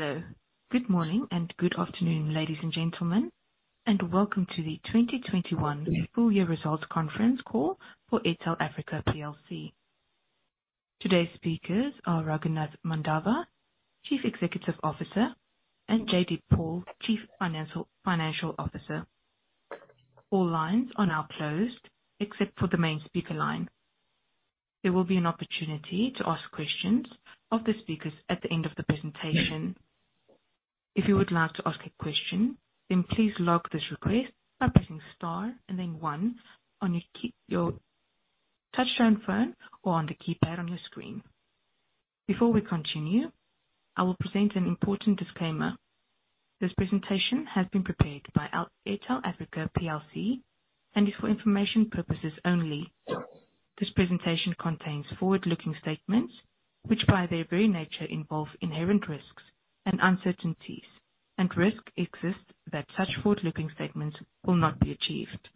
Hello. Good morning, and good afternoon, ladies and gentlemen, and welcome to the 2021 full year results conference call for Airtel Africa plc. Today's speakers are Raghunath Mandava, Chief Executive Officer, and Jaideep Paul, Chief Financial Officer. All lines are now closed except for the main speaker line. There will be an opportunity to ask questions of the speakers at the end of the presentation. If you would like to ask a question, then please log this request by pressing star and then one on your touchtone phone or on the keypad on your screen. Before we continue, I will present an important disclaimer. This presentation has been prepared by Airtel Africa plc and is for information purposes only. This presentation contains forward-looking statements, which by their very nature involve inherent risks and uncertainties, and risk exists that such forward-looking statements will not be achieved.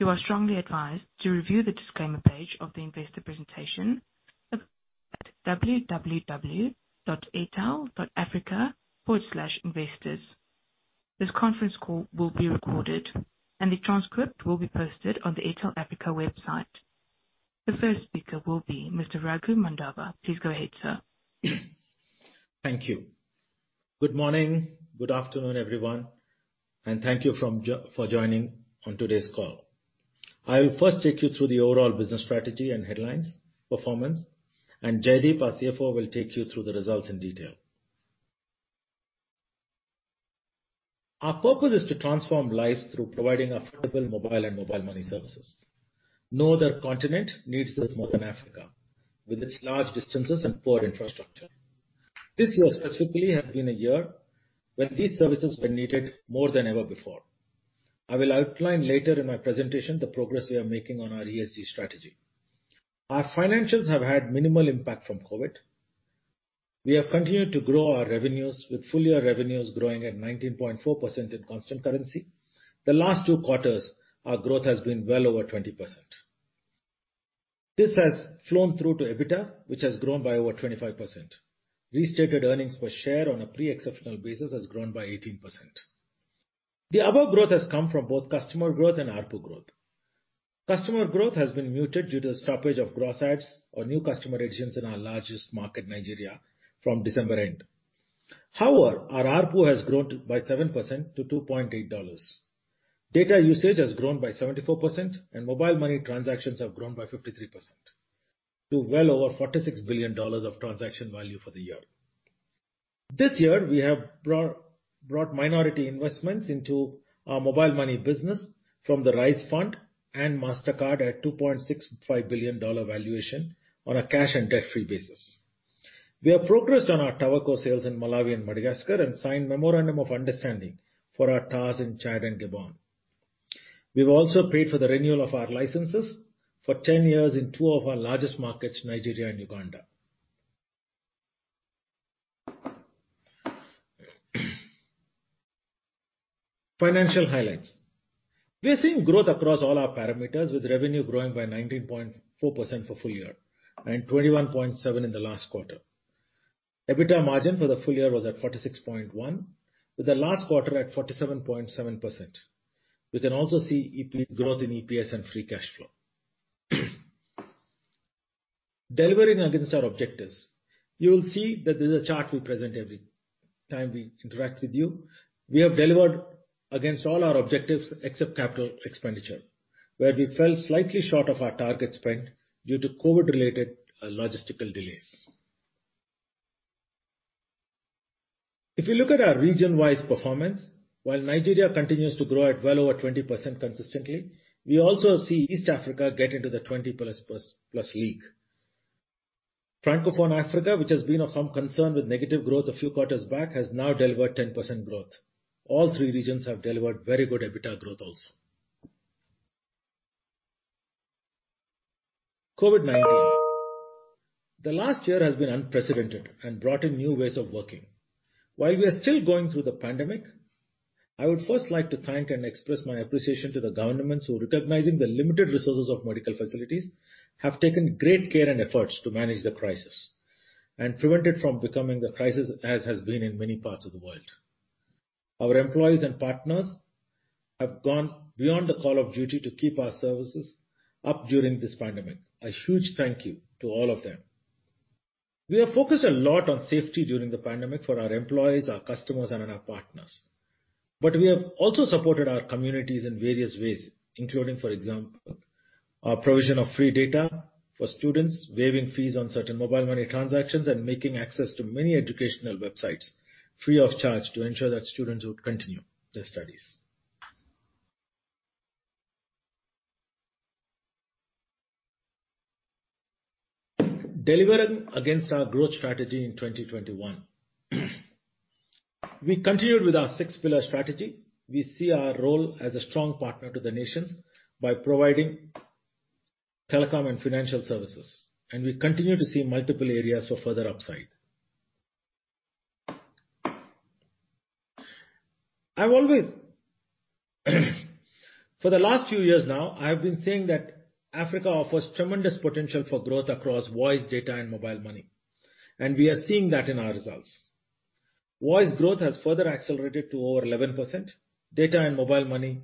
You are strongly advised to review the disclaimer page of the investor presentation at www.airtel.africa/investors. This conference call will be recorded, and the transcript will be posted on the Airtel Africa website. The first speaker will be Mr. Raghunath Mandava. Please go ahead, sir. Thank you. Good morning, good afternoon, everyone, and thank you for joining on today's call. I will first take you through the overall business strategy and headlines performance. Jaideep, our CFO, will take you through the results in detail. Our purpose is to transform lives through providing affordable mobile and mobile money services. No other continent needs this more than Africa, with its large distances and poor infrastructure. This year specifically has been a year when these services were needed more than ever before. I will outline later in my presentation the progress we are making on our ESG strategy. Our financials have had minimal impact from COVID. We have continued to grow our revenues, with full-year revenues growing at 19.4% in constant currency. The last two quarters, our growth has been well over 20%. This has flown through to EBITDA, which has grown by over 25%. Restated earnings per share on a pre-exceptional basis has grown by 18%. The above growth has come from both customer growth and ARPU growth. Customer growth has been muted due to the stoppage of gross adds or new customer additions in our largest market, Nigeria, from December end. However, our ARPU has grown by 7% to $2.8. Data usage has grown by 74%, and mobile money transactions have grown by 53% to well over $46 billion of transaction value for the year. This year, we have brought minority investments into our mobile money business from The Rise Fund and Mastercard at $2.65 billion valuation on a cash and debt-free basis. We have progressed on our tower co-sales in Malawi and Madagascar and signed memorandum of understanding for our towers in Chad and Gabon. We've also paid for the renewal of our licenses for 10 years in two of our largest markets, Nigeria and Uganda. Financial highlights. We are seeing growth across all our parameters, with revenue growing by 19.4% for full year and 21.7% in the last quarter. EBITDA margin for the full year was at 46.1%, with the last quarter at 47.7%. We can also see growth in EPS and free cash flow. Delivering against our objectives. You will see that this is a chart we present every time we interact with you. We have delivered against all our objectives except capital expenditure, where we fell slightly short of our target spend due to COVID-related logistical delays. If you look at our region-wise performance, while Nigeria continues to grow at well over 20% consistently, we also see East Africa get into the 20+ league. Francophone Africa, which has been of some concern with negative growth a few quarters back, has now delivered 10% growth. All three regions have delivered very good EBITDA growth also. COVID-19. The last year has been unprecedented and brought in new ways of working. While we are still going through the pandemic, I would first like to thank and express my appreciation to the governments who, recognizing the limited resources of medical facilities, have taken great care and efforts to manage the crisis and prevent it from becoming the crisis as has been in many parts of the world. Our employees and partners have gone beyond the call of duty to keep our services up during this pandemic. A huge thank you to all of them. We have focused a lot on safety during the pandemic for our employees, our customers, and our partners. We have also supported our communities in various ways, including, for example, our provision of free data for students, waiving fees on certain mobile money transactions, and making access to many educational websites free of charge to ensure that students would continue their studies. Delivering against our growth strategy in 2021. We continued with our six-pillar strategy. We see our role as a strong partner to the nations by providing telecom and financial services, and we continue to see multiple areas for further upside. For the last few years now, I have been saying that Africa offers tremendous potential for growth across voice, data, and mobile money. We are seeing that in our results. Voice growth has further accelerated to over 11%. Data and mobile money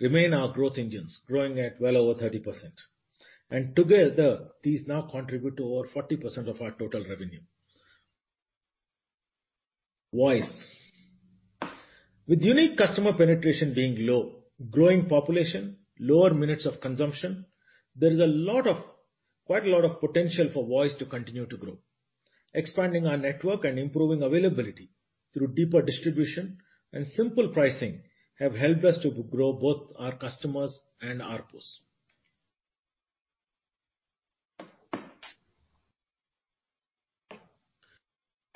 remain our growth engines, growing at well over 30%. Together, these now contribute to over 40% of our total revenue. Voice. With unique customer penetration being low, growing population, lower minutes of consumption, there is quite a lot of potential for voice to continue to grow. Expanding our network and improving availability through deeper distribution and simple pricing have helped us to grow both our customers and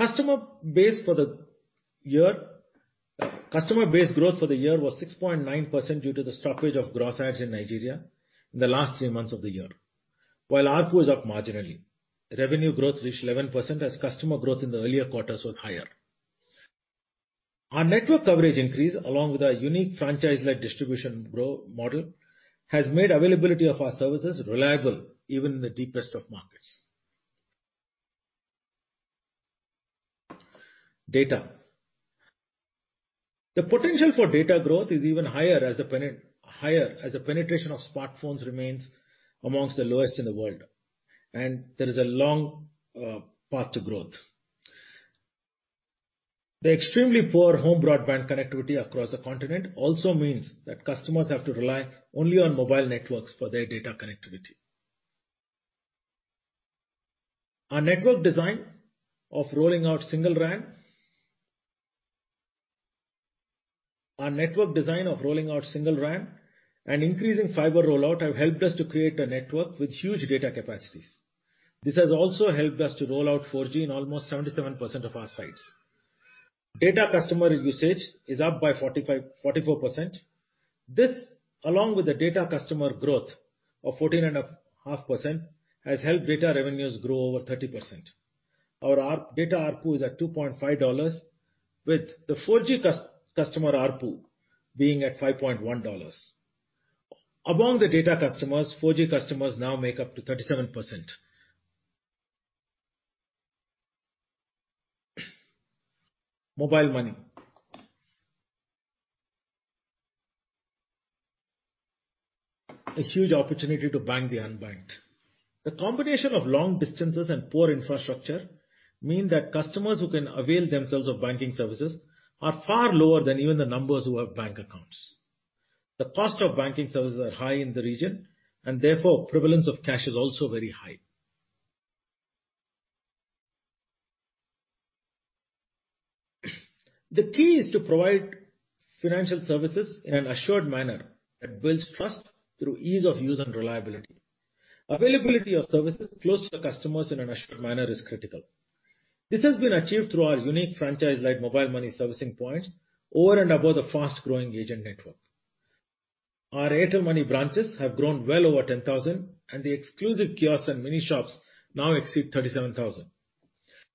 ARPUs. Customer base growth for the year was 6.9% due to the stoppage of gross adds in Nigeria in the last three months of the year. While ARPU is up marginally, revenue growth reached 11% as customer growth in the earlier quarters was higher. Our network coverage increase, along with our unique franchise-led distribution model, has made availability of our services reliable even in the deepest of markets. Data. The potential for data growth is even higher as the penetration of smartphones remains amongst the lowest in the world. There is a long path to growth. The extremely poor home broadband connectivity across the continent also means that customers have to rely only on mobile networks for their data connectivity. Our network design of rolling out SingleRAN and increasing fiber rollout have helped us to create a network with huge data capacities. This has also helped us to roll out 4G in almost 77% of our sites. Data customer usage is up by 44%. This, along with the data customer growth of 14.5%, has helped data revenues grow over 30%. Our data ARPU is at $2.5, with the 4G customer ARPU being at $5.1. Among the data customers, 4G customers now make up to 37%. Mobile money. A huge opportunity to bank the unbanked. The combination of long distances and poor infrastructure mean that customers who can avail themselves of banking services are far lower than even the numbers who have bank accounts. The cost of banking services are high in the region, and therefore prevalence of cash is also very high. The key is to provide financial services in an assured manner that builds trust through ease of use and reliability. Availability of services close to the customers in an assured manner is critical. This has been achieved through our unique franchise-led Airtel Money servicing points over and above the fast-growing agent network. Our Airtel Money branches have grown well over 10,000, and the exclusive kiosks and mini shops now exceed 37,000.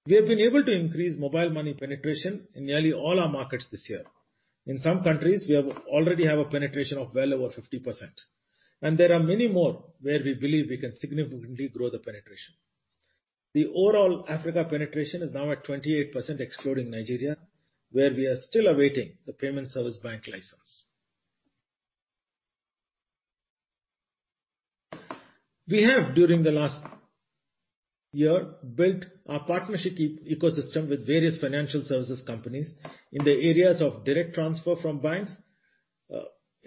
We have been able to increase Airtel Money penetration in nearly all our markets this year. In some countries, we already have a penetration of well over 50%, and there are many more where we believe we can significantly grow the penetration. The overall Africa penetration is now at 28%, excluding Nigeria, where we are still awaiting the Payment Service Bank license. We have, during the last year, built our partnership ecosystem with various financial services companies in the areas of direct transfer from banks,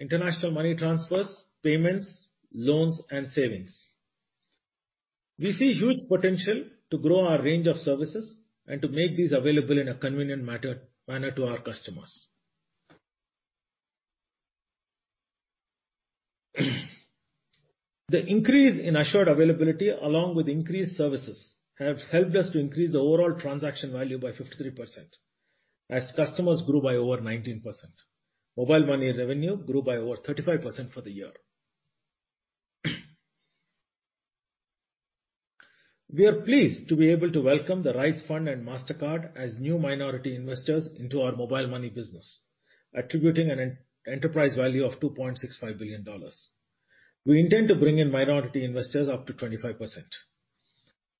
international money transfers, payments, loans, and savings. We see huge potential to grow our range of services and to make these available in a convenient manner to our customers. The increase in assured availability along with increased services has helped us to increase the overall transaction value by 53% as customers grew by over 19%. Mobile money revenue grew by over 35% for the year. We are pleased to be able to welcome The Rise Fund and Mastercard as new minority investors into our mobile money business, attributing an enterprise value of $2.65 billion. We intend to bring in minority investors up to 25%.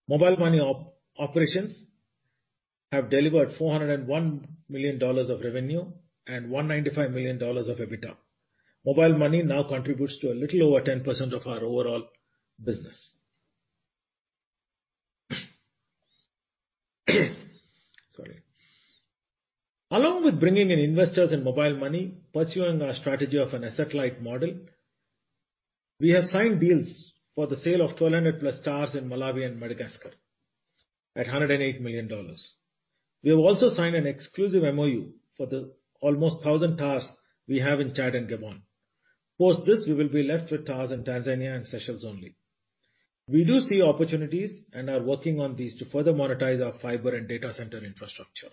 Mobile money operations have delivered $401 million of revenue and $195 million of EBITDA. Mobile money now contributes to a little over 10% of our overall business. Sorry. Along with bringing in investors in mobile money, pursuing our strategy of an asset-light model, we have signed deals for the sale of 1,200+ towers in Malawi and Madagascar at $108 million. We have also signed an exclusive MOU for the almost 1,000 towers we have in Chad and Gabon. Post this, we will be left with towers in Tanzania and Seychelles only. We do see opportunities and are working on these to further monetize our fiber and data center infrastructure.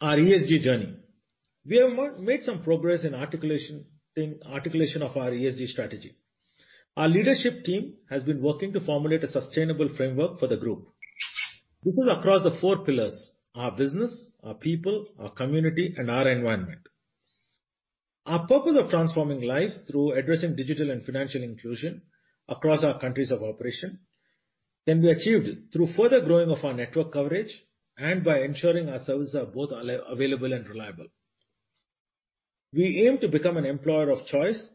Our ESG journey. We have made some progress in articulation of our ESG strategy. Our leadership team has been working to formulate a sustainable framework for the group. This is across the four pillars, our business, our people, our community, and our environment. Our purpose of transforming lives through addressing digital and financial inclusion across our countries of operation can be achieved through further growing of our network coverage and by ensuring our services are both available and reliable. We aim to become an employer of choice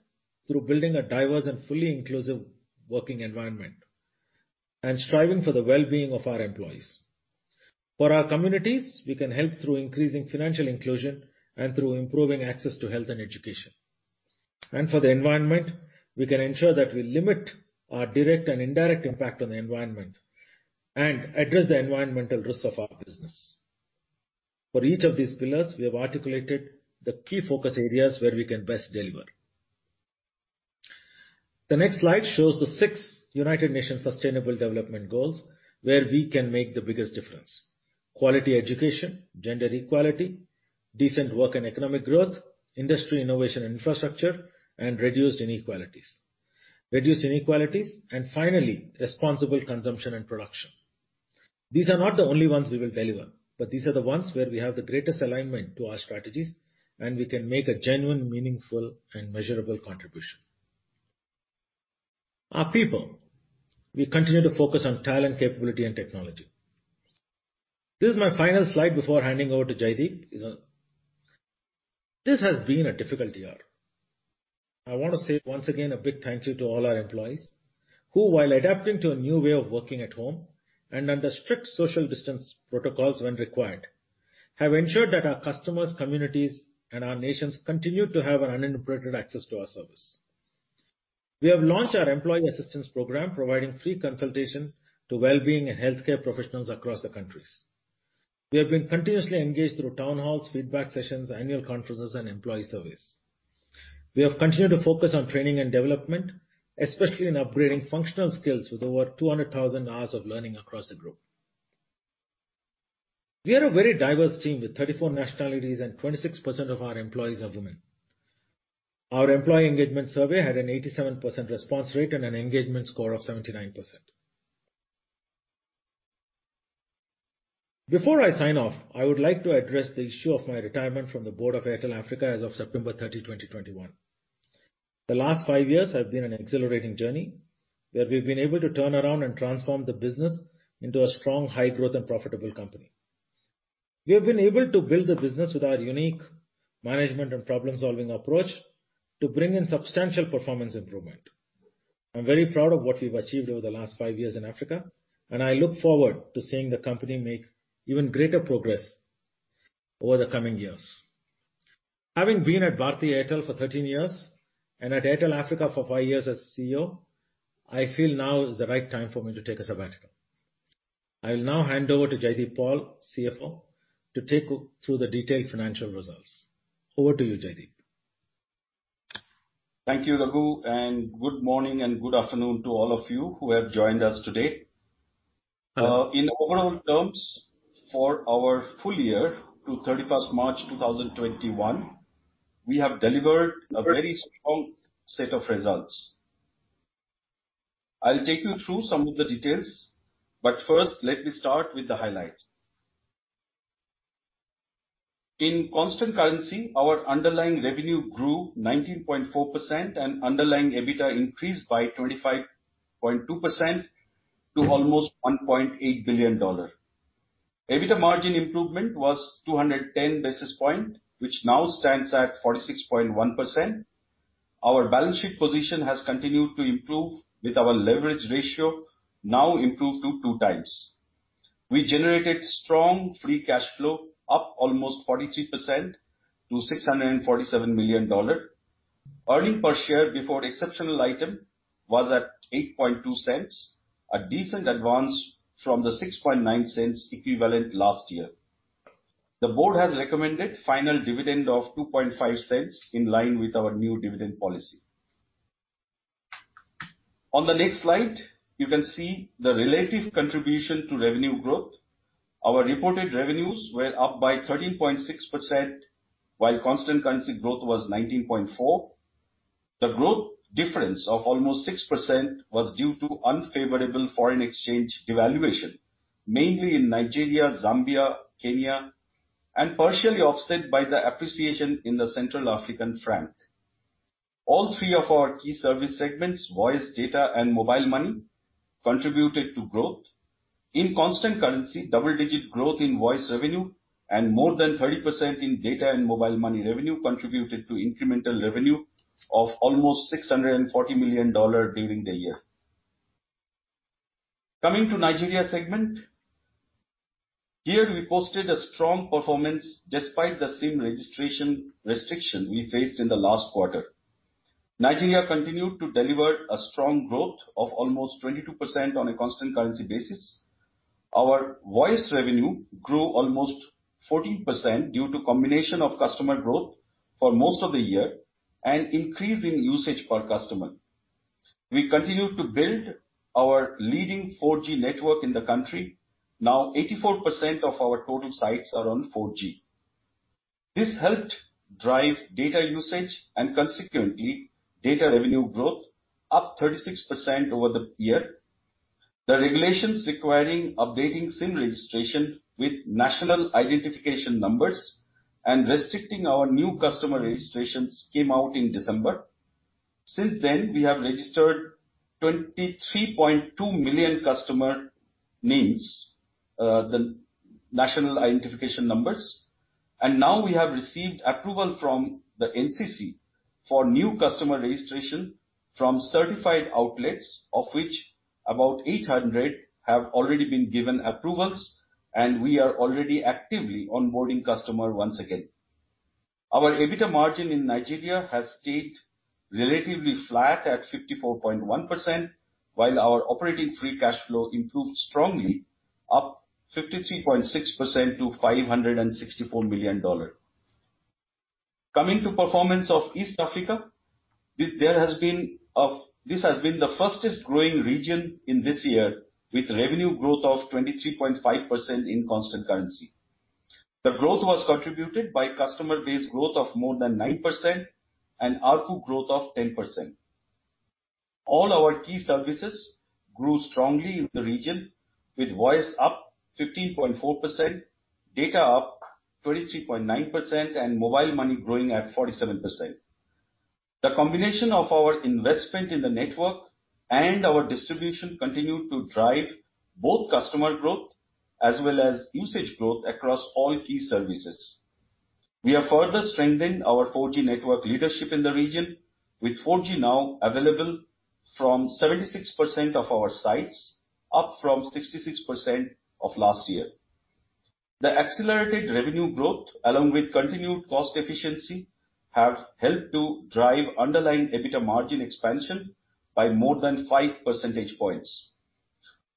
through building a diverse and fully inclusive working environment and striving for the well-being of our employees. For our communities, we can help through increasing financial inclusion and through improving access to health and education. For the environment, we can ensure that we limit our direct and indirect impact on the environment and address the environmental risks of our business. For each of these pillars, we have articulated the key focus areas where we can best deliver. The next slide shows the six United Nations Sustainable Development Goals, where we can make the biggest difference. Quality education, gender equality, decent work and economic growth, industry innovation and infrastructure, and reduced inequalities. Reduced inequalities and finally, responsible consumption and production. These are not the only ones we will deliver, but these are the ones where we have the greatest alignment to our strategies, and we can make a genuine, meaningful, and measurable contribution. Our people. We continue to focus on talent, capability, and technology. This is my final slide before handing over to Jaideep. This has been a difficult year. I want to say once again, a big thank you to all our employees, who while adapting to a new way of working at home and under strict social distance protocols when required, have ensured that our customers, communities, and our nations continue to have an uninterrupted access to our service. We have launched our employee assistance program, providing free consultation to wellbeing and healthcare professionals across the countries. We have been continuously engaged through town halls, feedback sessions, annual conferences, and employee surveys. We have continued to focus on training and development, especially in upgrading functional skills with over 200,000 hours of learning across the group. We are a very diverse team with 34 nationalities and 26% of our employees are women. Our employee engagement survey had an 87% response rate and an engagement score of 79%. Before I sign off, I would like to address the issue of my retirement from the board of Airtel Africa as of September 30, 2021. The last five years have been an exhilarating journey, where we've been able to turn around and transform the business into a strong, high-growth, and profitable company. We have been able to build the business with our unique management and problem-solving approach to bring in substantial performance improvement. I'm very proud of what we've achieved over the last five years in Africa, and I look forward to seeing the company make even greater progress over the coming years. Having been at Bharti Airtel for 13 years and at Airtel Africa for five years as CEO, I feel now is the right time for me to take a sabbatical. I will now hand over to Jaideep Paul, CFO, to take you through the detailed financial results. Over to you, Jaideep. Thank you, Raghu, and good morning and good afternoon to all of you who have joined us today. In overall terms, for our full year to 31st March 2021, we have delivered a very strong set of results. I'll take you through some of the details, but first let me start with the highlights. In constant currency, our underlying revenue grew 19.4% and underlying EBITDA increased by 25.2% to almost $1.8 billion. EBITDA margin improvement was 210 basis points, which now stands at 46.1%. Our balance sheet position has continued to improve, with our leverage ratio now improved to 2 times. We generated strong free cash flow, up almost 43% to $647 million. Earning per share before exceptional item was at $0.082, a decent advance from the $0.069 equivalent last year. The board has recommended final dividend of $0.025 in line with our new dividend policy. On the next slide, you can see the relative contribution to revenue growth. Our reported revenues were up by 13.6%, while constant currency growth was 19.4%. The growth difference of almost 6% was due to unfavorable foreign exchange devaluation, mainly in Nigeria, Zambia, Kenya, and partially offset by the appreciation in the Central African franc. All three of our key service segments, voice, data, and mobile money, contributed to growth. In constant currency, double-digit growth in voice revenue and more than 30% in data and mobile money revenue contributed to incremental revenue of almost $640 million during the year. Coming to Nigeria segment. Here, we posted a strong performance despite the SIM registration restriction we faced in the last quarter. Nigeria continued to deliver a strong growth of almost 22% on a constant currency basis. Our voice revenue grew almost 40% due to combination of customer growth for most of the year and increase in usage per customer. We continue to build our leading 4G network in the country. Now 84% of our total sites are on 4G. This helped drive data usage and consequently data revenue growth up 36% over the year. The regulations requiring updating SIM registration with national identification numbers and restricting our new customer registrations came out in December. Since then, we have registered 23.2 million customer names, the national identification numbers. Now we have received approval from the NCC for new customer registration from certified outlets, of which about 800 have already been given approvals, and we are already actively onboarding customer once again. Our EBITDA margin in Nigeria has stayed relatively flat at 54.1%, while our operating free cash flow improved strongly, up 53.6% to $564 million. Coming to performance of East Africa. This has been the fastest growing region in this year, with revenue growth of 23.5% in constant currency. The growth was contributed by customer base growth of more than 9% and ARPU growth of 10%. All our key services grew strongly in the region, with voice up 15.4%, data up 23.9%, and mobile money growing at 47%. The combination of our investment in the network and our distribution continued to drive both customer growth as well as usage growth across all key services. We have further strengthened our 4G network leadership in the region, with 4G now available from 76% of our sites, up from 66% of last year. The accelerated revenue growth, along with continued cost efficiency, have helped to drive underlying EBITDA margin expansion by more than five percentage points.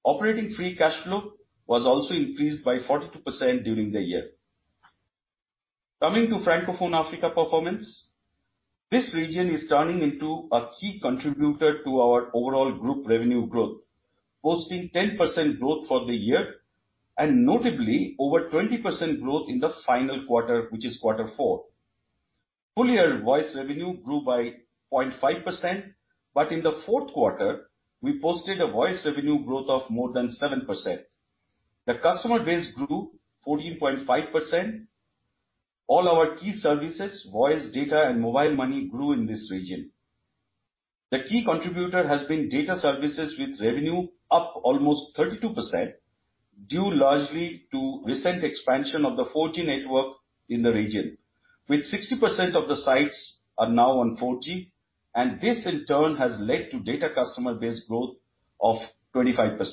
Operating free cash flow was also increased by 42% during the year. Coming to Francophone Africa performance. This region is turning into a key contributor to our overall group revenue growth, posting 10% growth for the year and notably over 20% growth in the final quarter, which is quarter four. Full year voice revenue grew by 0.5%, but in the fourth quarter, we posted a voice revenue growth of more than 7%. The customer base grew 14.5%. All our key services, voice, data, and mobile money grew in this region. The key contributor has been data services with revenue up almost 32%, due largely to recent expansion of the 4G network in the region, with 60% of the sites are now on 4G, and this in turn has led to data customer base growth of 25%.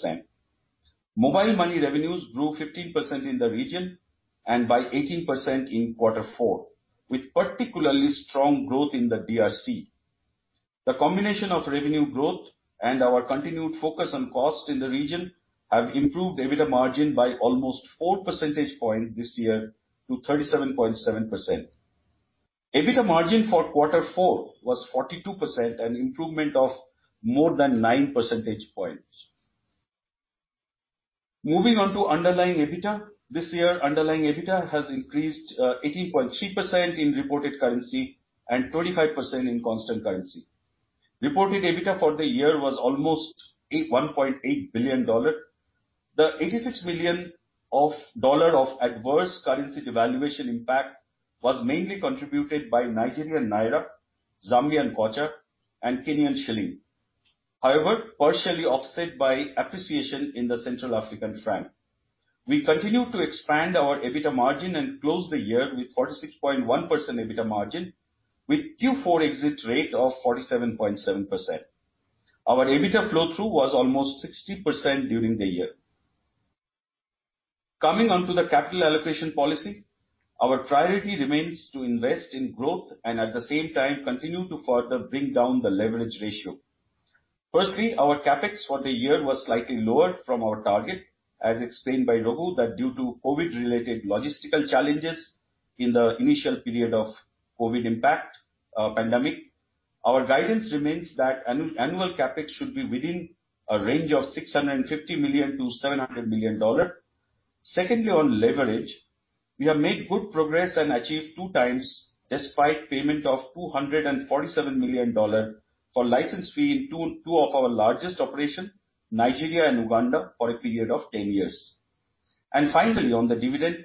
Mobile money revenues grew 15% in the region and by 18% in quarter four, with particularly strong growth in the DRC. The combination of revenue growth and our continued focus on cost in the region have improved EBITDA margin by almost four percentage points this year to 37.7%. EBITDA margin for quarter four was 42%, an improvement of more than nine percentage points. Moving on to underlying EBITDA. This year, underlying EBITDA has increased, 18.3% in reported currency and 25% in constant currency. Reported EBITDA for the year was almost $1.8 billion. The $86 million of adverse currency devaluation impact was mainly contributed by Nigerian naira, Zambian kwacha, and Kenyan shilling. However, partially offset by appreciation in the Central African franc. We continue to expand our EBITDA margin and close the year with 46.1% EBITDA margin, with Q4 exit rate of 47.7%. Our EBITDA flow-through was almost 60% during the year. Coming on to the capital allocation policy. Our priority remains to invest in growth and at the same time continue to further bring down the leverage ratio. Firstly, our CapEx for the year was slightly lower from our target, as explained by Raghu that due to COVID related logistical challenges in the initial period of COVID impact. Our guidance remains that annual CapEx should be within a range of $650 million-$700 million. Secondly, on leverage. We have made good progress and achieved two times despite payment of $247 million for license fee in two of our largest operation, Nigeria and Uganda, for a period of 10 years. Finally, on the dividend.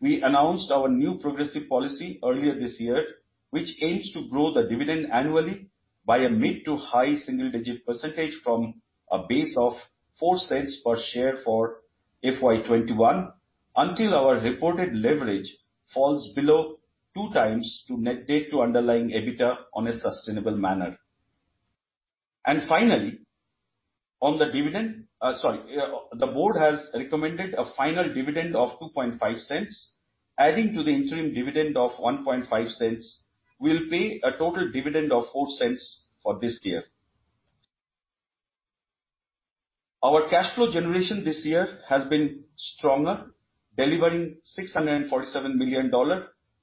We announced our new progressive policy earlier this year, which aims to grow the dividend annually by a mid to high single digit percentage from a base of $0.04 per share for FY 2021, until our reported leverage falls below 2x to net debt to underlying EBITDA on a sustainable manner. Finally, the board has recommended a final dividend of $0.025, adding to the interim dividend of $0.015, will pay a total dividend of $0.04 for this year. Our cash flow generation this year has been stronger, delivering $647 million,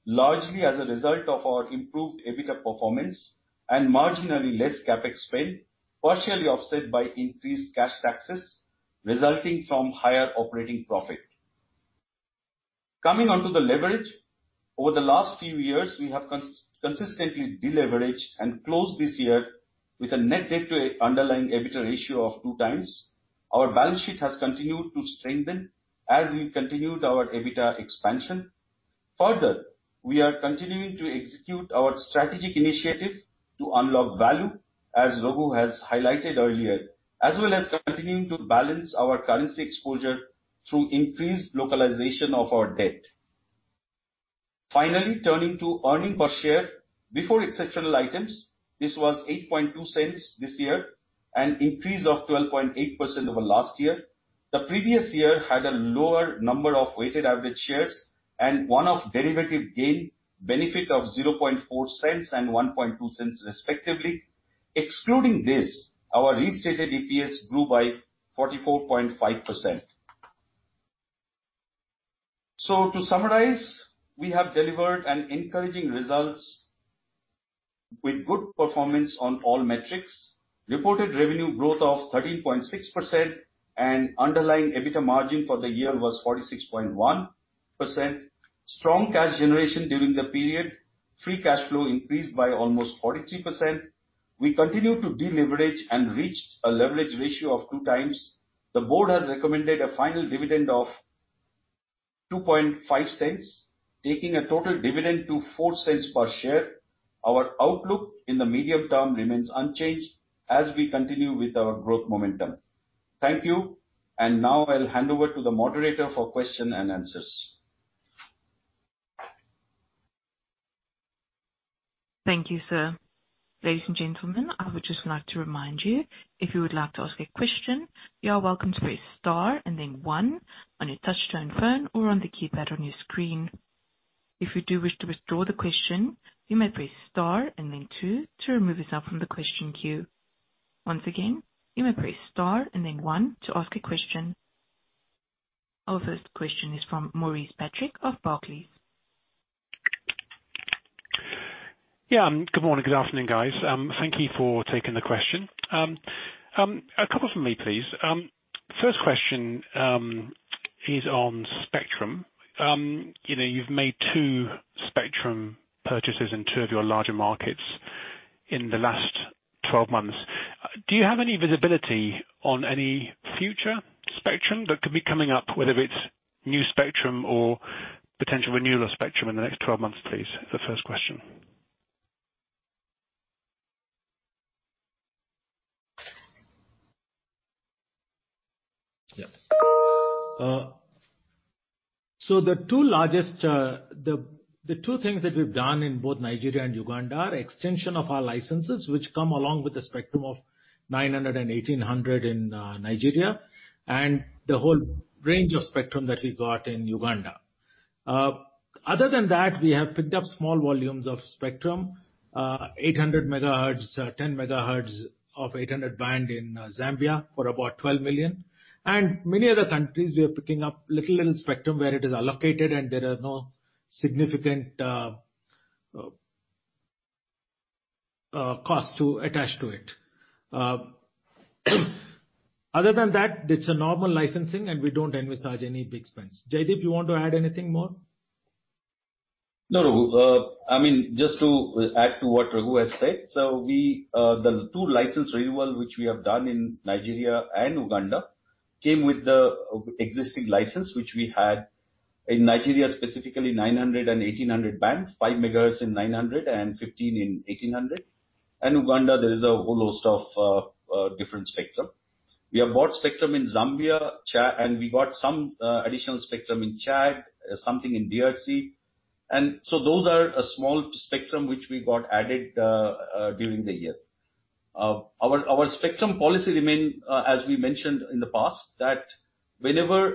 largely as a result of our improved EBITDA performance and marginally less CapEx spend, partially offset by increased cash taxes resulting from higher operating profit. Coming on to the leverage. Over the last few years, we have consistently de-leveraged and closed this year with a net debt to underlying EBITDA ratio of 2x. Our balance sheet has continued to strengthen as we continued our EBITDA expansion. We are continuing to execute our strategic initiative to unlock value, as Raghu has highlighted earlier, as well as continuing to balance our currency exposure through increased localization of our debt. Turning to earnings per share. Before exceptional items, this was $0.0820 this year, an increase of 12.8% over last year. The previous year had a lower number of weighted average shares and one-off derivative gain benefit of $0.0040 and $0.0120 respectively. Excluding this, our restated EPS grew by 44.5%. To summarize, we have delivered encouraging results with good performance on all metrics. Reported revenue growth of 13.6% and underlying EBITDA margin for the year was 46.1%. Strong cash generation during the period. Free cash flow increased by almost 43%. We continued to de-leverage and reached a leverage ratio of 2x. The board has recommended a final dividend of $0.0250, taking the total dividend to $0.04 per share. Our outlook in the medium term remains unchanged as we continue with our growth momentum. Thank you. Now I'll hand over to the moderator for question and answers. Thank you, sir. Ladies and gentlemen, I would just like to remind you, if you would like to ask a question, you are welcome to press star and then one on your touchtone phone or on the keypad on your screen. If you do wish to withdraw the question, you may press star and then two to remove yourself from the question queue. Once again, you may press star and then one to ask a question. Our first question is from Maurice Patrick of Barclays. Yeah. Good morning. Good afternoon, guys. Thank you for taking the question. A couple from me, please. First question is on spectrum. You've made two spectrum purchases in two of your larger markets in the last 12 months. Do you have any visibility on any future spectrum that could be coming up, whether it's new spectrum or potential renewal of spectrum in the next 12 months, please? The first question. The two things that we've done in both Nigeria and Uganda are extension of our licenses, which come along with the spectrum of 900 and 1800 in Nigeria, and the whole range of spectrum that we got in Uganda. Other than that, we have picked up small volumes of spectrum, 800 MHz, 10 MHz of 800 band in Zambia for about $12 million. Many other countries, we are picking up little spectrum where it is allocated, and there are no significant cost attached to it. Other than that, it's a normal licensing, we don't envisage any big spends. Jaideep, you want to add anything more? No, Raghu. Just to add to what Raghu has said. The two license renewal, which we have done in Nigeria and Uganda, came with the existing license which we had. In Nigeria, specifically 900 and 1800 band, 5 MHz in 900 and 15 MHz in 1800. In Uganda, there is a whole host of different spectrum. We have bought spectrum in Zambia, and we got some additional spectrum in Chad, something in DRC. Those are a small spectrum which we got added during the year. Our spectrum policy remain, as we mentioned in the past, that whenever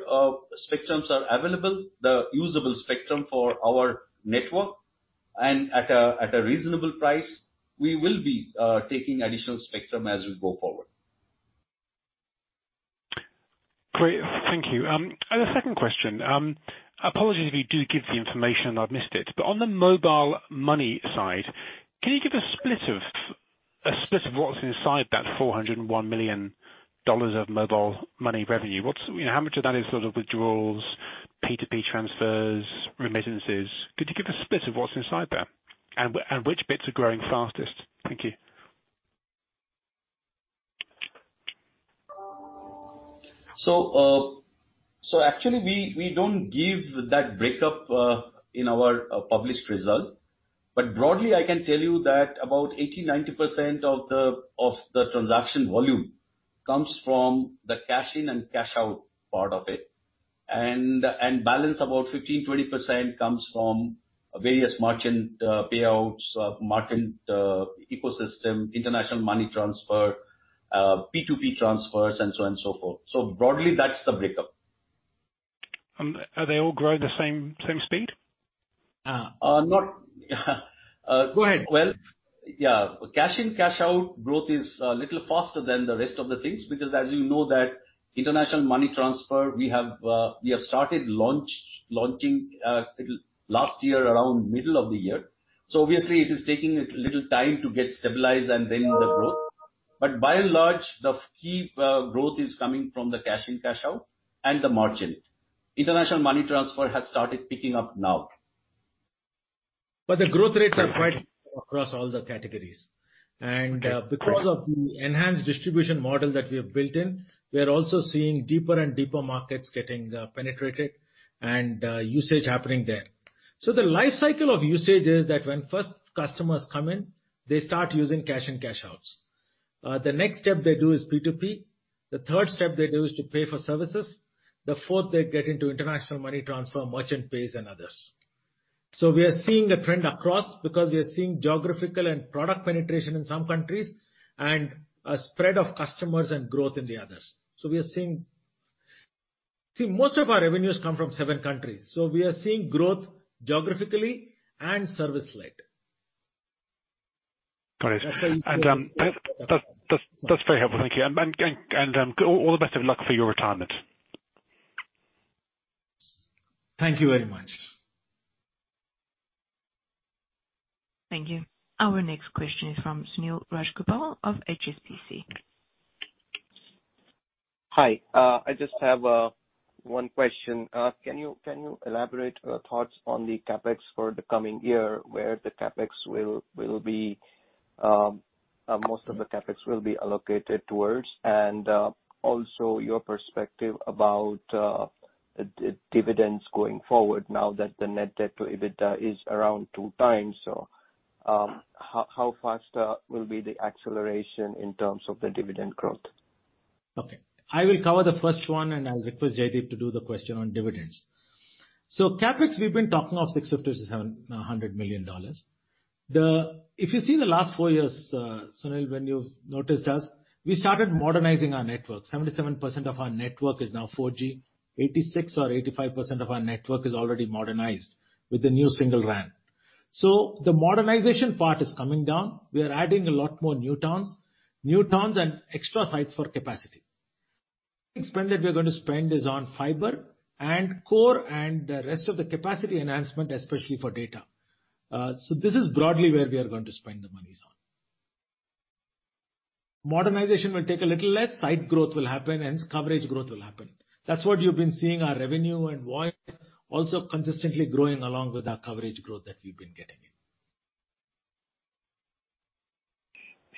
spectrums are available, the usable spectrum for our network and at a reasonable price, we will be taking additional spectrum as we go forward. Great. Thank you. The second question. Apologies if you do give the information and I've missed it. On the mobile money side, can you give a split of what's inside that $401 million of mobile money revenue? How much of that is sort of withdrawals, P2P transfers, remittances? Could you give a split of what's inside there? Which bits are growing fastest? Thank you. Actually, we don't give that breakup in our published result. Broadly, I can tell you that about 80%-90% of the transaction volume comes from the cash in and cash out part of it. Balance, about 15%-20% comes from various merchant payouts, merchant ecosystem, international money transfer, P2P transfers and so on and so forth. Broadly, that's the breakup. Are they all growing the same speed? Not Go ahead. Well, yeah. Cash-in, cash-out growth is a little faster than the rest of the things, because as you know that international money transfer, we have started launching last year around middle of the year. Obviously it is taking a little time to get stabilized and then the growth. By and large, the key growth is coming from the cash-in cash-out and the merchant. International money transfer has started picking up now. The growth rates are quite across all the categories. Because of the enhanced distribution model that we have built in, we are also seeing deeper and deeper markets getting penetrated and usage happening there. The life cycle of usage is that when first customers come in, they start using cash-in cash-outs. The next step they do is P2P. The third step they do is to pay for services. The fourth, they get into international money transfer, merchant pays and others. We are seeing a trend across because we are seeing geographical and product penetration in some countries, and a spread of customers and growth in the others. See, most of our revenues come from seven countries. We are seeing growth geographically and service led. Got it. That's very helpful. Thank you. All the best of luck for your retirement. Thank you very much. Thank you. Our next question is from Sunil Rajgopal of HSBC. Hi. I just have one question. Can you elaborate thoughts on the CapEx for the coming year, where most of the CapEx will be allocated towards? Also your perspective about dividends going forward now that the net debt to EBITDA is around two times. How faster will be the acceleration in terms of the dividend growth? Okay. I will cover the first one, and I'll request Jaideep to do the question on dividends. CapEx, we've been talking of $650 million-$700 million. If you see the last four years, Sunil, when you've noticed us, we started modernizing our network. 77% of our network is now 4G, 86% or 85% of our network is already modernized with the new SingleRAN. The modernization part is coming down. We are adding a lot more new towns, and extra sites for capacity. Next spend that we are going to spend is on fiber and core and the rest of the capacity enhancement, especially for data. This is broadly where we are going to spend the monies on. Modernization will take a little less, site growth will happen, hence coverage growth will happen. That's what you've been seeing, our revenue and voice also consistently growing along with our coverage growth that we've been getting.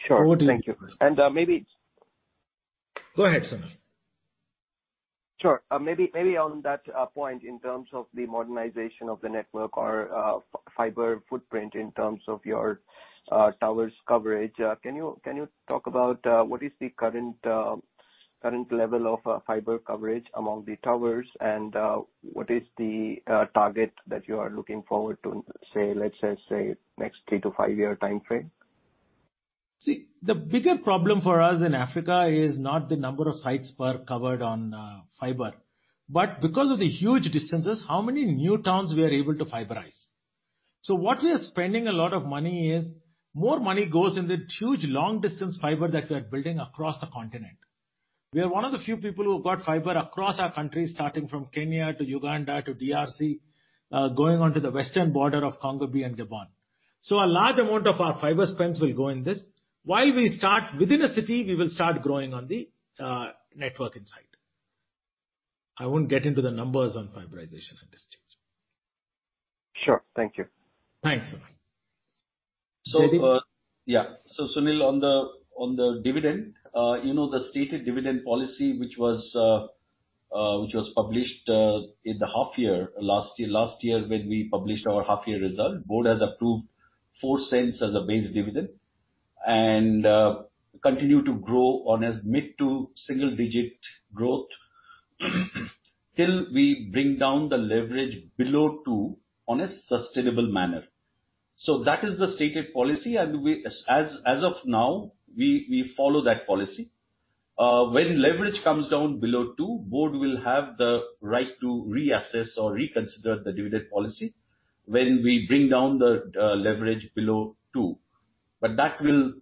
Sure. Thank you. Go ahead, Sunil. Sure. Maybe on that point, in terms of the modernization of the network or fiber footprint in terms of your towers coverage, can you talk about, what is the current level of fiber coverage among the towers and what is the target that you are looking forward to, let's say, next three to five year timeframe? See, the bigger problem for us in Africa is not the number of sites per covered on fiber, but because of the huge distances, how many new towns we are able to fiberize. What we are spending a lot of money is, more money goes in the huge long-distance fiber that we are building across the continent. We are one of the few people who've got fiber across our country, starting from Kenya to Uganda to DRC, going on to the western border of Congo-B and Gabon. A large amount of our fiber spends will go in this. While we start within a city, we will start growing on the network inside. I won't get into the numbers on fiberization at this stage. Sure. Thank you. Thanks, Sunil. Jaideep. Yeah. Sunil, on the dividend, the stated dividend policy which was published in the half year last year when we published our half-year result, Board has approved $0.04 as a base dividend, and continue to grow on a mid-to-single-digit growth till we bring down the leverage below two on a sustainable manner. That is the stated policy, and as of now, we follow that policy. When leverage comes down below two, Board will have the right to reassess or reconsider the dividend policy when we bring down the leverage below two. That, we'll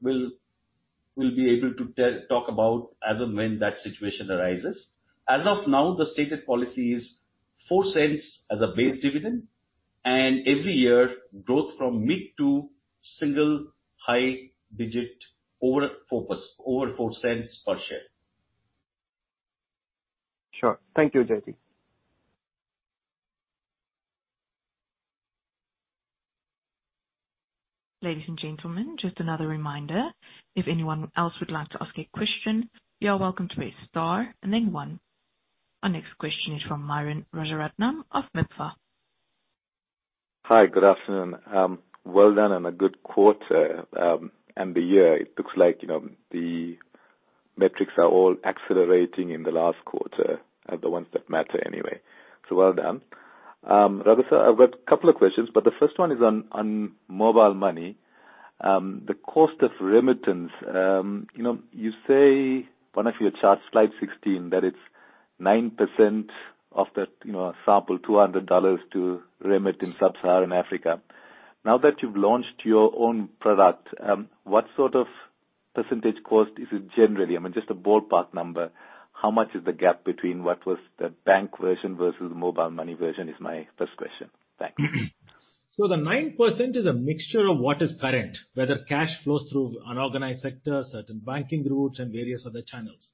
be able to talk about as and when that situation arises. As of now, the stated policy is $0.04 as a base dividend, and every year growth from mid-to-single-high-digit over $0.04 per share. Sure. Thank you, Jaideep. Ladies and gentlemen, just another reminder, if anyone else would like to ask a question, you are welcome to press star and then one. Our next question is from [Myron Routien of Mizuho]. Hi. Good afternoon. Well done and a good quarter, and the year. It looks like the metrics are all accelerating in the last quarter, the ones that matter anyway. Well done. Raghu, I've got a couple of questions, but the first one is on mobile money. The cost of remittance, you say on actually your chart, slide 16, that it's 9% of that sample $200 to remit in sub-Saharan Africa. Now that you've launched your own product, what sort of percentage cost is it generally? Just a ballpark number. How much is the gap between what was the bank version versus the mobile money version is my first question. Thanks. The 9% is a mixture of what is current, whether cash flows through unorganized sectors, certain banking routes, and various other channels.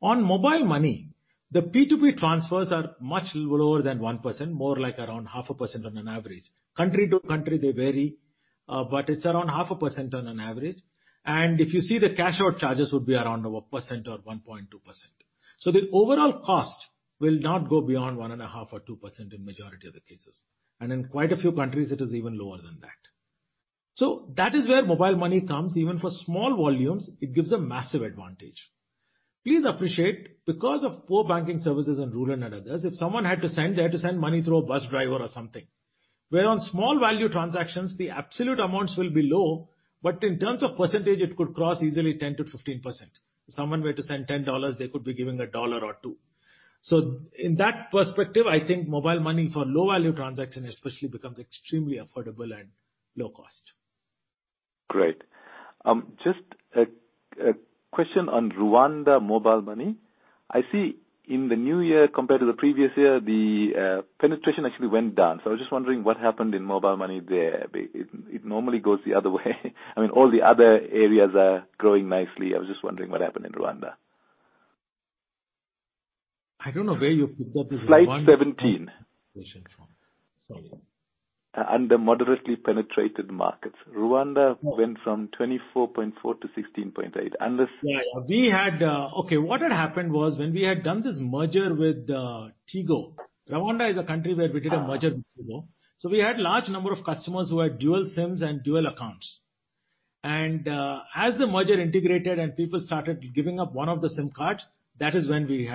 On mobile money, the P2P transfers are much lower than 1%, more like around half a percent on an average. Country to country, they vary, but it's around half a percent on an average. If you see the cash out charges would be around 1% or 1.2%. The overall cost will not go beyond 1.5% or 2% in majority of the cases. In quite a few countries, it is even lower than that. That is where mobile money comes, even for small volumes, it gives a massive advantage. Please appreciate, because of poor banking services in rural and others, if someone had to send, they had to send money through a bus driver or something. On small value transactions, the absolute amounts will be low, but in terms of percentage, it could cross easily 10%-15%. If someone were to send $10, they could be giving $1 or $2. In that perspective, I think mobile money for low value transaction especially becomes extremely affordable and low cost. Great. Just a question on Rwanda mobile money. I see in the new year compared to the previous year, the penetration actually went down. I was just wondering what happened in mobile money there. It normally goes the other way. All the other areas are growing nicely. I was just wondering what happened in Rwanda. I don't know where you picked up this Rwanda. Slide 17. information from. Sorry. Under moderately penetrated markets. Rwanda went from 24.4 to 16.8. What had happened was, when we had done this merger with Tigo. Rwanda is a country where we did a merger with Tigo. We had large number of customers who had dual SIMs and dual accounts. As the merger integrated and people started giving up one of the SIM cards, that is when we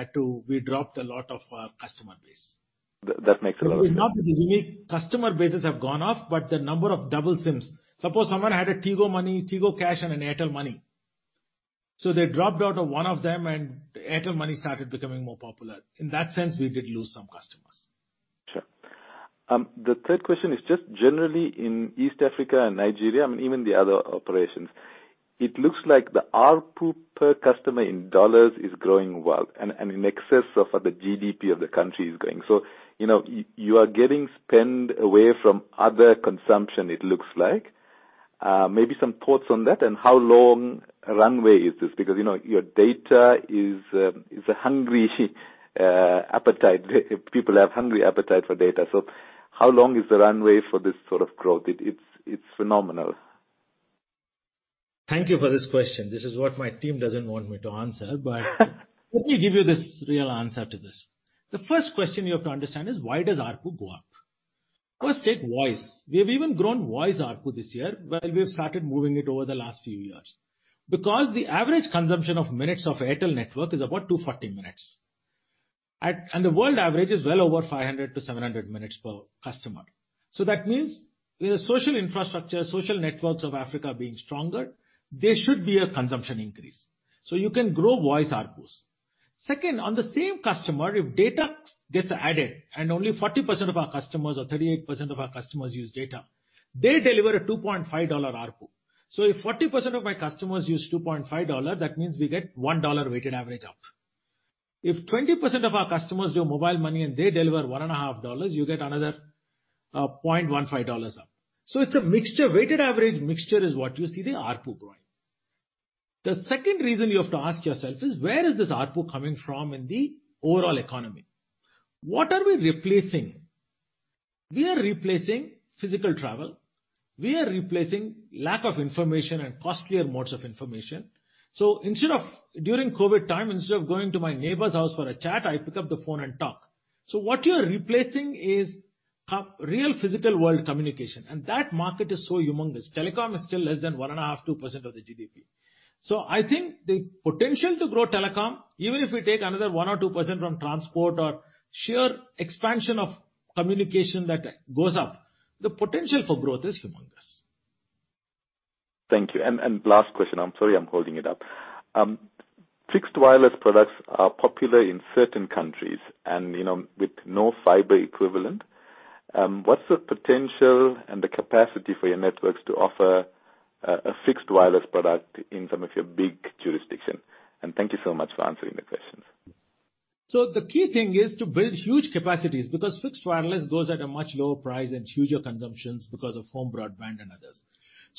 dropped a lot of our customer base. That makes a lot of sense. It's not that the unique customer bases have gone off, but the number of double SIMs. Suppose someone had a Tigo Money, Tigo Cash, and an Airtel Money. They dropped out of one of them, and Airtel Money started becoming more popular. In that sense, we did lose some customers. Sure. The third question is just generally in East Africa and Nigeria, even the other operations. It looks like the ARPU per customer in dollars is growing well, and in excess of the GDP of the country is growing. You are getting spend away from other consumption, it looks like. Maybe some thoughts on that, and how long a runway is this? Because your data is a hungry appetite. People have hungry appetite for data. How long is the runway for this sort of growth? It's phenomenal. Thank you for this question. This is what my team doesn't want me to answer, but let me give you this real answer to this. The first question you have to understand is why does ARPU go up? Take voice. We have even grown voice ARPU this year, while we have started moving it over the last few years. The average consumption of minutes of Airtel network is about 240 minutes. The world average is well over 500 to 700 minutes per customer. That means, with the social infrastructure, social networks of Africa being stronger, there should be a consumption increase. You can grow voice ARPUs. Second, on the same customer, if data gets added, and only 40% of our customers or 38% of our customers use data, they deliver a $2.50 ARPU. If 40% of my customers use $2.5, that means we get $1 weighted average up. If 20% of our customers do mobile money and they deliver $1.50, you get another, $0.15 up. It's a mixture, weighted average mixture is what you see the ARPU growing. The second reason you have to ask yourself is, where is this ARPU coming from in the overall economy? What are we replacing? We are replacing physical travel. We are replacing lack of information and costlier modes of information. Instead of, during COVID time, instead of going to my neighbor's house for a chat, I pick up the phone and talk. What you are replacing is real physical world communication, and that market is so humongous. Telecom is still less than 1.5%, 2% of the GDP. I think the potential to grow telecom, even if we take another one or two% from transport or sheer expansion of communication that goes up, the potential for growth is humongous. Thank you. Last question. I'm sorry, I'm holding it up. Fixed wireless products are popular in certain countries, and with no fiber equivalent. What's the potential and the capacity for your networks to offer a fixed wireless product in some of your big jurisdictions? Thank you so much for answering the questions. The key thing is to build huge capacities, because fixed wireless goes at a much lower price and huge consumptions because of home broadband and others.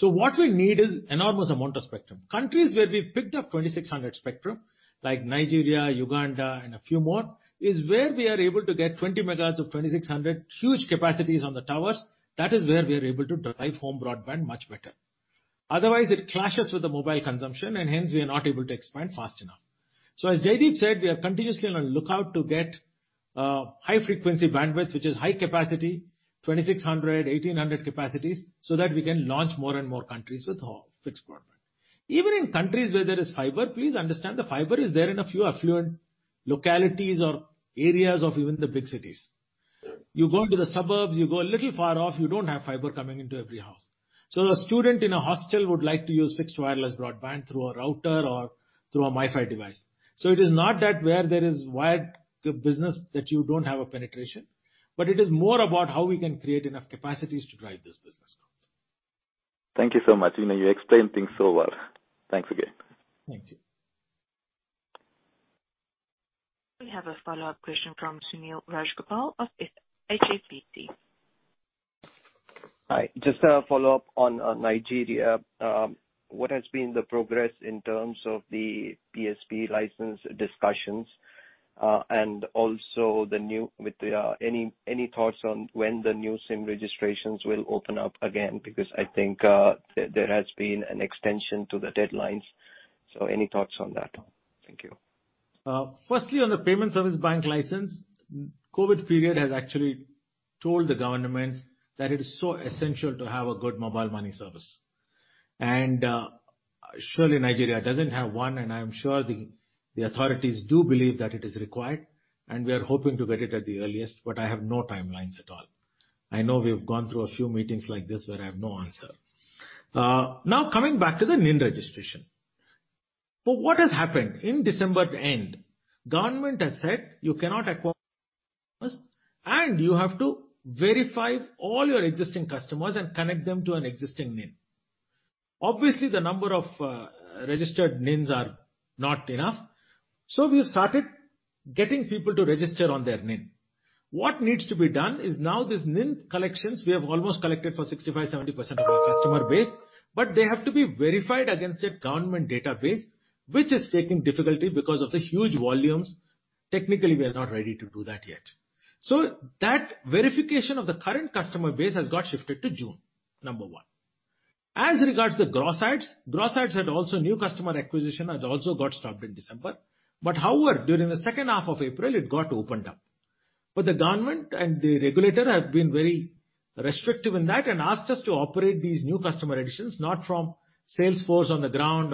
What we need is enormous amount of spectrum. Countries where we've picked up 2600 spectrum, like Nigeria, Uganda, and a few more, is where we are able to get 20 MHz of 2600 huge capacities on the towers. That is where we are able to drive home broadband much better. Otherwise, it clashes with the mobile consumption, and hence we are not able to expand fast enough. As Jaideep said, we are continuously on a lookout to get high frequency bandwidth, which is high capacity, 2600, 1800 capacities, so that we can launch more and more countries with fixed broadband. Even in countries where there is fiber, please understand, the fiber is there in a few affluent localities or areas of even the big cities. You go into the suburbs, you go a little far off, you don't have fiber coming into every house. A student in a hostel would like to use fixed wireless broadband through a router or through a MiFi device. It is not that where there is wired business that you don't have a penetration, but it is more about how we can create enough capacities to drive this business. Thank you so much. You explained things so well. Thanks again. Thank you. We have a follow-up question from Sunil Rajgopal of HSBC. Hi. Just a follow-up on Nigeria. What has been the progress in terms of the PSB license discussions? Also, any thoughts on when the new SIM registrations will open up again? I think there has been an extension to the deadlines. Any thoughts on that? Thank you. Firstly, on the Payment Service Bank license, COVID period has actually told the government that it is so essential to have a good mobile money service. Surely Nigeria doesn't have one, I'm sure the authorities do believe that it is required, we are hoping to get it at the earliest, but I have no timelines at all. I know we've gone through a few meetings like this where I have no answer. Coming back to the NIN registration. What has happened, in December end, government has said you cannot acquire and you have to verify all your existing customers and connect them to an existing NIN. Obviously, the number of registered NINs are not enough. We have started getting people to register on their NIN. What needs to be done is now this NIN collections, we have almost collected for 65%-70% of our customer base, but they have to be verified against a government database, which is taking difficulty because of the huge volumes. Technically, we are not ready to do that yet. That verification of the current customer base has got shifted to June, number one. As regards the gross adds, gross adds had also new customer acquisition got stopped in December. However, during the second half of April, it got opened up. The government and the regulator have been very restrictive in that and asked us to operate these new customer additions, not from sales force on the ground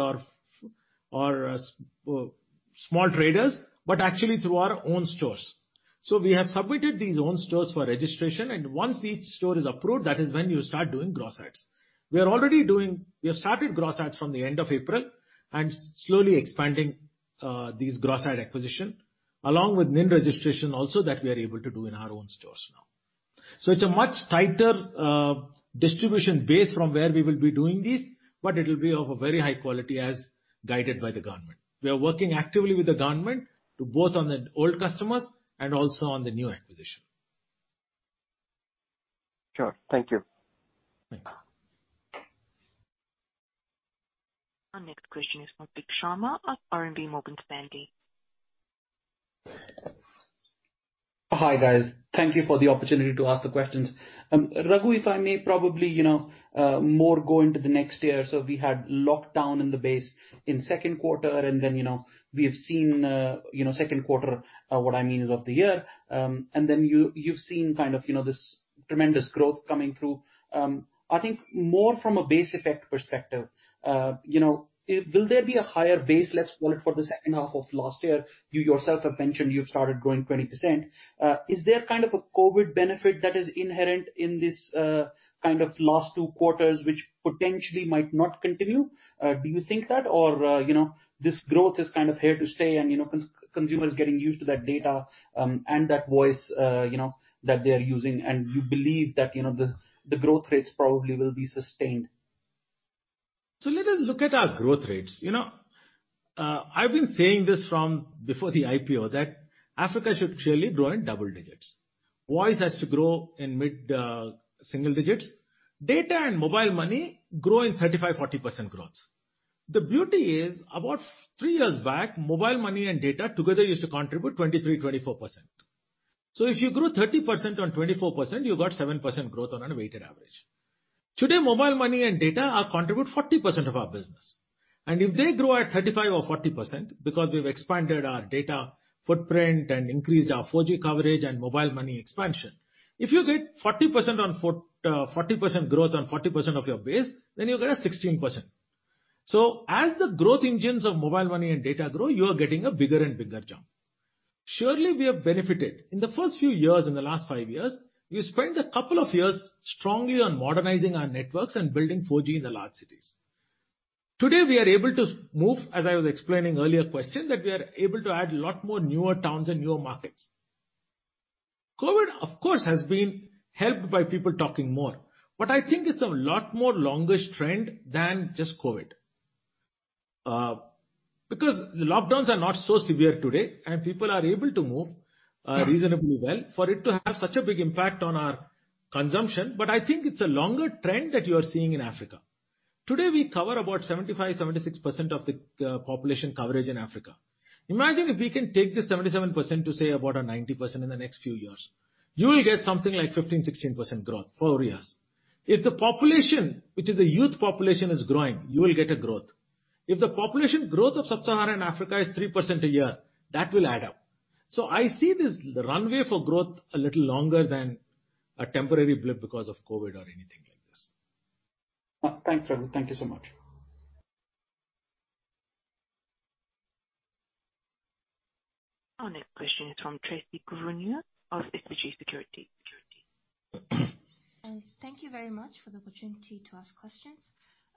or small traders, but actually through our own stores. We have submitted these own stores for registration, and once each store is approved, that is when you start doing gross adds. We have started gross adds from the end of April and slowly expanding these gross add acquisition, along with NIN registration also that we are able to do in our own stores now. It's a much tighter distribution base from where we will be doing this, but it will be of a very high quality as guided by the government. We are working actively with the government to both on the old customers and also on the new acquisition. Sure. Thank you. Thank you. Our next question is from Vik Sharma of RMB Morgan Stanley. Hi, guys. Thank you for the opportunity to ask the questions. Raghu, if I may probably, more go into the next year. We had lockdown in the base in second quarter, and then we have seen second quarter, what I mean is of the year. You've seen this tremendous growth coming through. I think more from a base effect perspective, will there be a higher base, let's call it for the second half of last year? You yourself have mentioned you've started growing 20%. Is there a COVID benefit that is inherent in this last two quarters, which potentially might not continue? Do you think that, or this growth is here to stay and consumers getting used to that data, and that voice, that they are using, and you believe that the growth rates probably will be sustained? Let us look at our growth rates. I've been saying this from before the IPO, that Africa should surely grow in double digits. Voice has to grow in mid-single digits. Data and mobile money grow in 35%, 40% growths. The beauty is, about three years back, mobile money and data together used to contribute 23%, 24%. If you grow 30% on 24%, you got 7% growth on a weighted average. Today, mobile money and data contribute 40% of our business, and if they grow at 35% or 40%, because we've expanded our data footprint and increased our 4G coverage and mobile money expansion. If you get 40% growth on 40% of your base, you get a 16%. As the growth engines of mobile money and data grow, you are getting a bigger and bigger jump. Surely, we have benefited. In the first few years, in the last five years, we spent a couple of years strongly on modernizing our networks and building 4G in the large cities. Today, we are able to move, as I was explaining earlier question, that we are able to add a lot more newer towns and newer markets. COVID, of course, has been helped by people talking more, but I think it's a lot more longer trend than just COVID. Because the lockdowns are not so severe today, and people are able to move reasonably well for it to have such a big impact on our consumption. I think it's a longer trend that you are seeing in Africa. Today, we cover about 75%, 76% of the population coverage in Africa. Imagine if we can take this 77% to, say, about a 90% in the next few years. You will get something like 15, 16% growth for four years. If the population, which is the youth population, is growing, you will get a growth. If the population growth of sub-Saharan Africa is 3% a year, that will add up. I see this runway for growth a little longer than a temporary blip because of COVID-19 or anything like this. Thanks, Raghu. Thank you so much. Our next question is from Tracy Kivunyu of SBG Securities. Thank you very much for the opportunity to ask questions.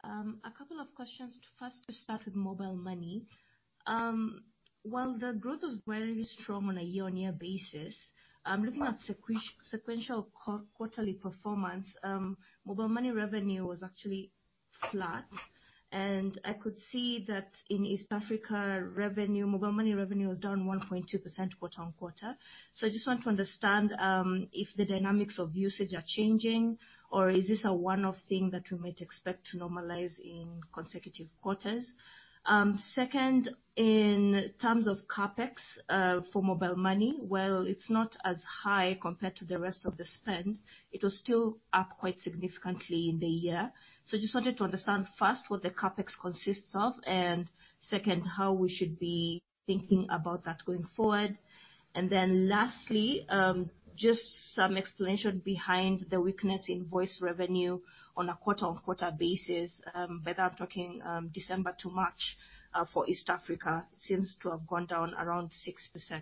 A couple of questions. First, to start with mobile money. While the growth was very strong on a year-on-year basis, looking at sequential quarterly performance, mobile money revenue was actually flat. I could see that in East Africa, mobile money revenue was down 1.2% quarter-on-quarter. I just want to understand if the dynamics of usage are changing or is this a one-off thing that we might expect to normalize in consecutive quarters? Second, in terms of CapEx for mobile money, while it's not as high compared to the rest of the spend, it was still up quite significantly in the year. Just wanted to understand first, what the CapEx consists of, and second, how we should be thinking about that going forward. Lastly, just some explanation behind the weakness in voice revenue on a quarter-on-quarter basis. I'm talking December to March for East Africa. It seems to have gone down around 6%.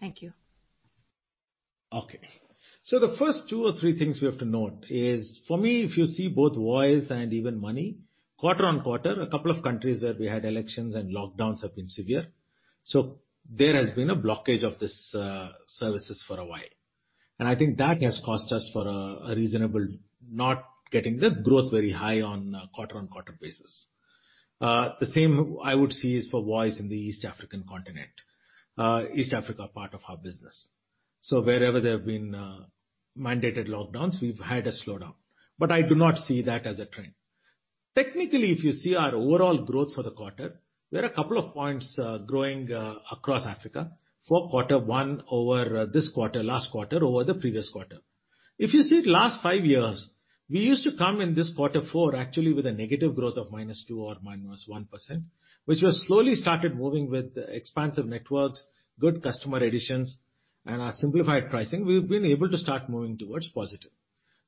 Thank you. The first two or three things we have to note is, for me, if you see both voice and even money, quarter-on-quarter, a couple of countries where we had elections and lockdowns have been severe. I think that has cost us for a reasonable, not getting the growth very high on a quarter-on-quarter basis. The same I would see is for voice in the East African continent, East Africa part of our business. Wherever there have been mandated lockdowns, we’ve had a slowdown. I do not see that as a trend. Technically, if you see our overall growth for the quarter, there are a couple of points growing across Africa for quarter one over this quarter, last quarter over the previous quarter. If you see the last five years, we used to come in this quarter four actually with a negative growth of -2% or -1%, which we have slowly started moving with expansive networks, good customer additions, and our simplified pricing. We've been able to start moving towards positive.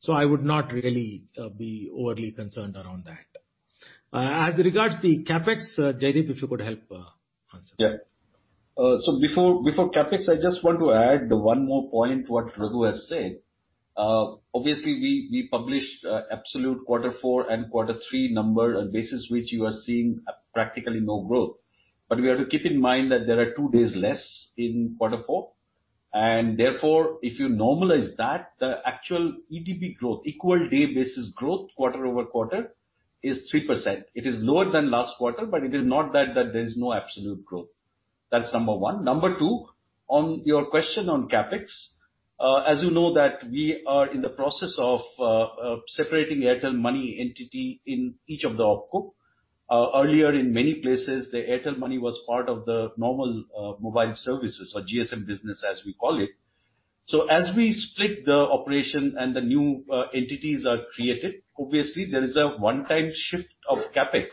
I would not really be overly concerned around that. As regards the CapEx, Jaideep, if you could help answer. Before CapEx, I just want to add one more point to what Raghu has said. Obviously, we published absolute quarter four and quarter three number on basis which you are seeing practically no growth. We have to keep in mind that there are two days less in quarter four, and therefore if you normalize that, the actual EDB growth, equal day basis growth quarter-over-quarter is 3%. It is lower than last quarter, it is not that there is no absolute growth. That's number one. Number two, on your question on CapEx. As you know that we are in the process of separating Airtel Money entity in each of the OpCo. Earlier in many places, the Airtel Money was part of the normal mobile services or GSM business as we call it. As we split the operation and the new entities are created, obviously there is a one-time shift of CapEx.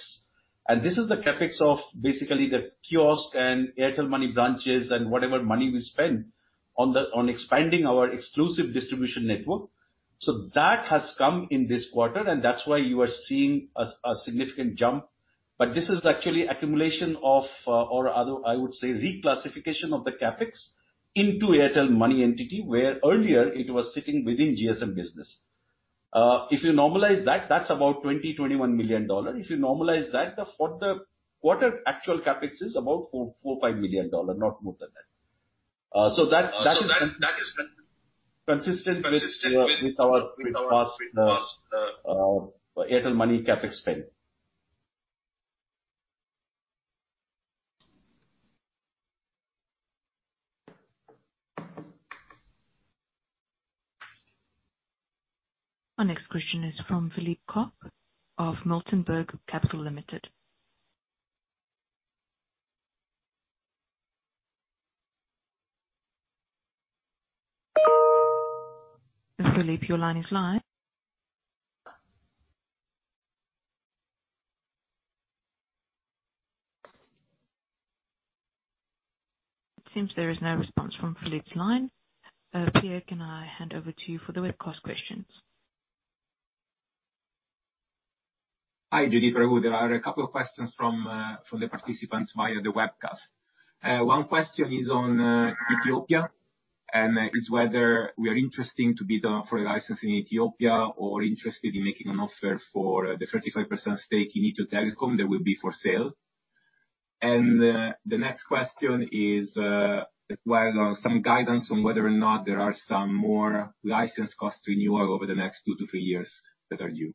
This is the CapEx of basically the kiosk and Airtel Money branches and whatever money we spend on expanding our exclusive distribution network. That has come in this quarter, and that is why you are seeing a significant jump. This is actually accumulation of or I would say, reclassification of the CapEx into Airtel Money entity, where earlier it was sitting within GSM business. If you normalize that is about $20 million-$21 million. If you normalize that, the quarter actual CapEx is about $45 million, not more than that. That is consistent with our past Airtel Money CapEx spend. Our next question is from Philippe Koch of Miltenberg Capital Limited. Philippe, your line is live. It seems there is no response from Philippe's line. Pier, can I hand over to you for the webcast questions? Hi, Jaideep, Raghu. There are a couple of questions from the participants via the webcast. One question is on Ethiopia. Is whether we are interested to bid for a license in Ethiopia or interested in making an offer for the 35% stake in Ethio Telecom that will be for sale. The next question is, well, some guidance on whether or not there are some more license costs renewal over the next two to three years that are due.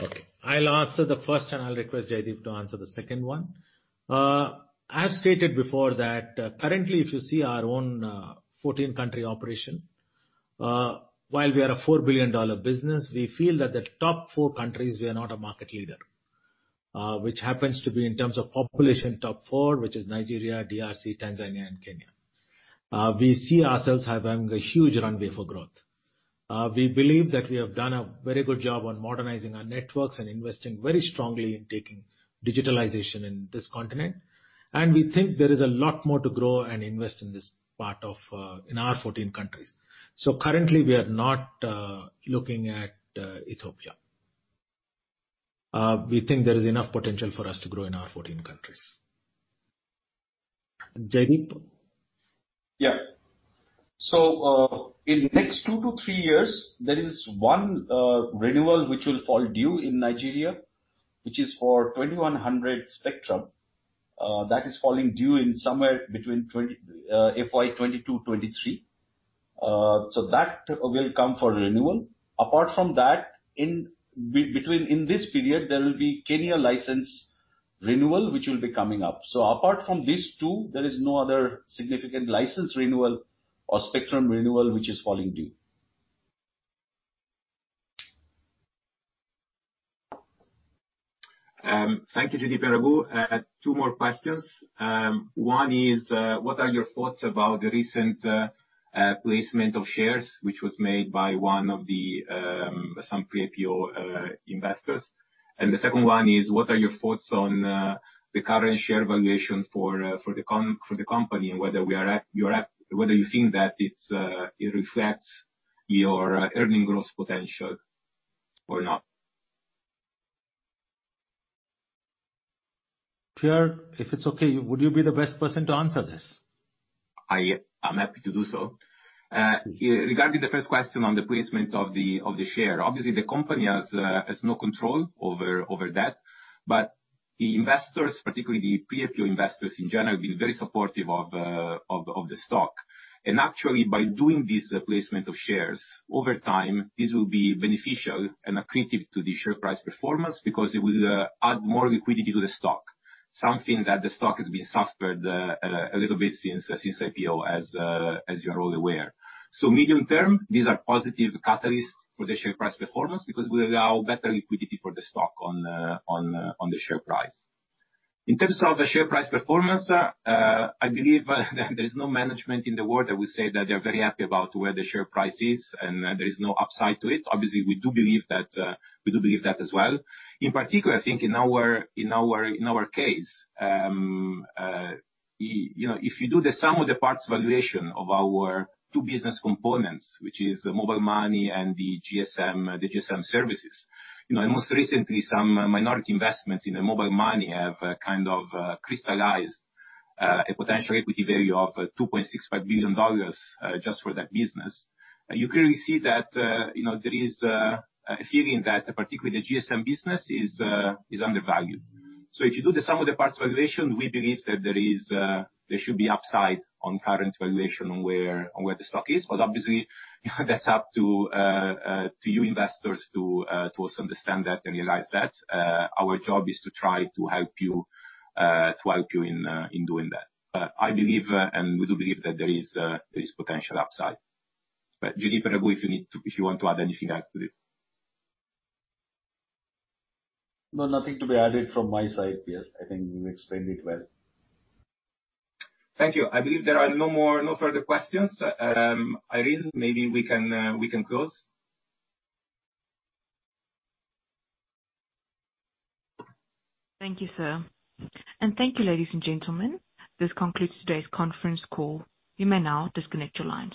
Okay. I'll answer the first and I'll request Jaideep to answer the second one. I have stated before that currently if you see our own 14-country operation, while we are a $4 billion business, we feel that the top four countries we are not a market leader, which happens to be in terms of population top four, which is Nigeria, DRC, Tanzania, and Kenya. We see ourselves having a huge runway for growth. We believe that we have done a very good job on modernizing our networks and investing very strongly in taking digitalization in this continent. We think there is a lot more to grow and invest in our 14 countries. Currently, we are not looking at Ethiopia. We think there is enough potential for us to grow in our 14 countries. Jaideep? In the next two to three years, there is one renewal which will fall due in Nigeria, which is for 2100 spectrum. That is falling due in somewhere between FY 2022/2023. That will come for renewal. Apart from that, in this period, there will be Kenya license renewal which will be coming up. Apart from these two, there is no other significant license renewal or spectrum renewal which is falling due. Thank you, Jaideep. I've got two more questions. One is, what are your thoughts about the recent placement of shares, which was made by one of the Pre-IPO investors? The second one is, what are your thoughts on the current share valuation for the company and whether you think that it reflects your earning growth potential or not? Pier, if it's okay, would you be the best person to answer this? I'm happy to do so. Regarding the first question on the placement of the share, obviously the company has no control over that. The investors, particularly the Pre-IPO investors in general, have been very supportive of the stock. Actually, by doing this placement of shares, over time, this will be beneficial and accretive to the share price performance because it will add more liquidity to the stock. Something that the stock has been suffered a little bit since IPO, as you're all aware. Medium term, these are positive catalysts for the share price performance because we allow better liquidity for the stock on the share price. In terms of the share price performance, I believe there is no management in the world that will say that they're very happy about where the share price is and there is no upside to it. Obviously, we do believe that as well. In particular, I think in our case, if you do the sum of the parts valuation of our two business components, which is the mobile money and the GSM services. Most recently, some minority investments in the mobile money have kind of crystallized a potential equity value of $2.65 billion just for that business. You clearly see that there is a feeling that particularly the GSM business is undervalued. If you do the sum of the parts valuation, we believe that there should be upside on current valuation on where the stock is. Obviously, that's up to you investors to also understand that and realize that. Our job is to try to help you in doing that. I believe, and we do believe that there is potential upside. Jaideep, probably if you want to add anything else to this. No, nothing to be added from my side, Pier. I think you explained it well. Thank you. I believe there are no further questions. Irene, maybe we can close. Thank you, sir. Thank you, ladies and gentlemen. This concludes today's conference call. You may now disconnect your lines.